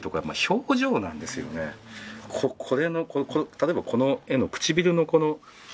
例えばこの絵の唇のこの。